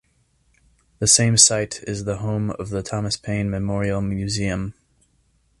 The same site is the home of the Thomas Paine Memorial Museum.